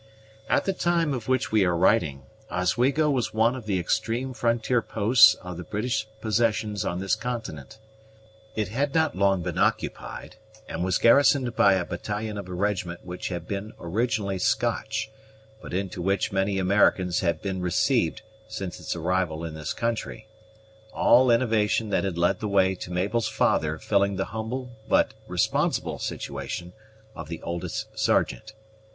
At the time of which we are writing, Oswego was one of the extreme frontier posts of the British possessions on this continent. It had not been long occupied, and was garrisoned by a battalion of a regiment which had been originally Scotch, but into which many Americans had been received since its arrival in this country; all innovation that had led the way to Mabel's father filling the humble but responsible situation of the oldest sergeant.